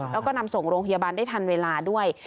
แล้วก็นำส่งโรงพยาบาลได้ทันเวลาด้วย